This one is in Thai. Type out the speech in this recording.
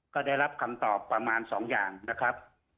ก็ได้รับคำตอบประมาณ๒อย่างนะครับ